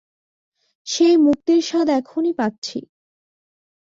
সেই মুক্তির স্বাদ এখনই পাচ্ছি।